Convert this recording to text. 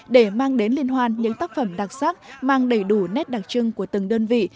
để mang đến liên hoan những tác phẩm đặc sắc mang đầy đủ nét đặc trưng của từng đơn vị